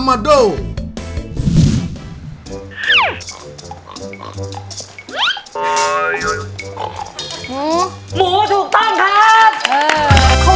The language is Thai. หมูถูกต้องครับ